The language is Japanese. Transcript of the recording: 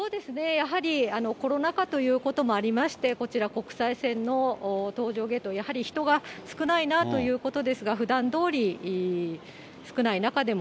やはりコロナ禍ということもありまして、こちら、国際線の搭乗ゲート、やはり人が少ないなということですが、ふだんどおり、少ない中でも、